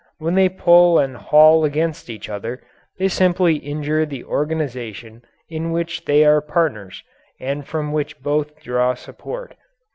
When they pull and haul against each other they simply injure the organization in which they are partners and from which both draw support.